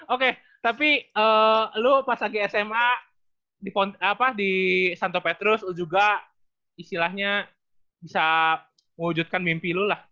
oke tapi lu pas lagi sma di santo petrus lu juga istilahnya bisa mewujudkan mimpi lo lah